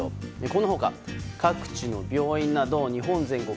この他、各地の病院など日本全国